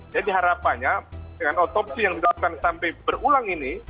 jadi harapannya dengan otopsi yang dilakukan sampai berulang ini